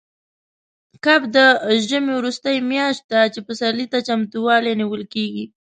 کب د ژمي وروستۍ میاشت ده، چې پسرلي ته چمتووالی نیول کېږي.